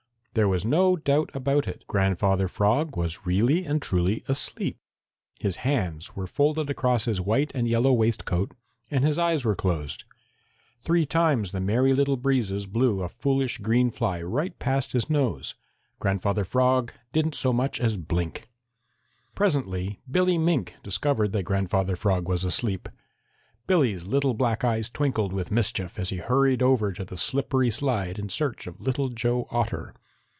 There was no doubt about it, Grandfather Frog was really and truly asleep. His hands were folded across his white and yellow waistcoat and his eyes were closed. Three times the Merry Little Breezes blew a foolish green fly right past his nose; Grandfather Frog didn't so much as blink. Presently Billy Mink discovered that Grandfather Frog was asleep. Billy's little black eyes twinkled with mischief as he hurried over to the slippery slide in search of Little Joe Otter.